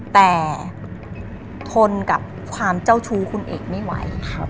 แต่ทนกับความเจ้าชู้คุณเอกไม่ไหว